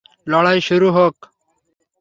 লড়াই শুরু হোক।